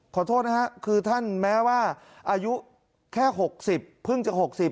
ขอโทษนะฮะคือท่านแม้ว่าอายุแค่๖๐เพิ่งจะ๖๐